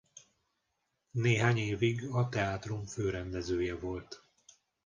Néhány évig a teátrum főrendezője volt.